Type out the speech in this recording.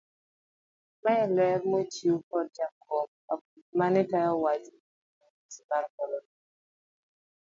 Maen ler mochiw kod jakom aput mane tayo wach eyudo midhusi mar korona.